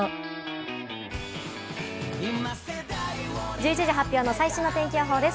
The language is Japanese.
１１時発表の最新の天気予報です。